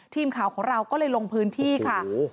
ทีมข่าวของเราก็เลยลงพื้นที่ค่ะ